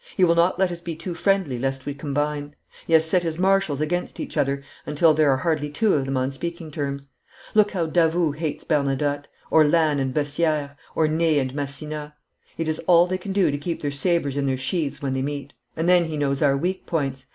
He will not let us be too friendly lest we combine. He has set his Marshals against each other until there are hardly two of them on speaking terms. Look how Davoust hates Bernadotte, or Lannes and Bessieres, or Ney and Massena. It is all they can do to keep their sabres in they sheaths when they meet. And then he knows our weak points.